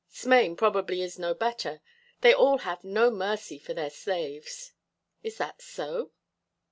"Smain probably is no better. They all have no mercy for their slaves." "Is that so?"